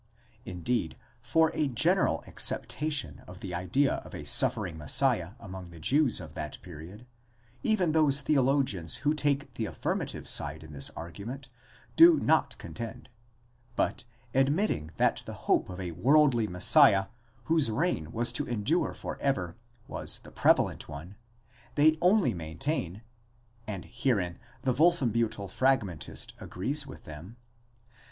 9 Indeed, for a general acceptation of the idea of a suffering Messiah among the Jews of that period, even those theologians who take the affirmative side in this argument do not contend ; but, admitting that the hope of a worldly Messiah whose reign was to endure for ever, was the prevalent one, they only maintain (and herein the Wolfen biittel Fragmentist agrees with them)#!